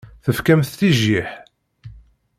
Tefkamt-tt i jjiḥ.